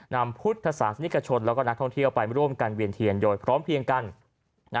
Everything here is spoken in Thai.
นำพุทธศาสนิกชนและนักท่องเที่ยวไปร่วมกันเวียนเทียนโดยพร้อมเพียงกัน